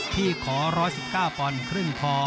พี่ขอ๑๑๙ปอนด์ครึ่งพอ